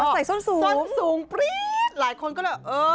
ส้นสูงส้นสูงปรี๊ดหลายคนก็เลยเออ